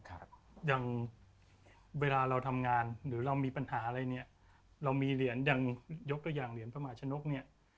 ครับอย่างเวลาเราทำงานหรือเรามีปัญหาอะไรเนี้ยเรามีเหรียญอย่างยกตัวอย่างเหรียญพระมหาชนกเนี่ย